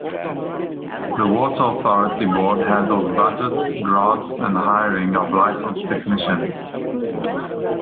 The water authority board handles budgets, grants and hiring of licensed technicians.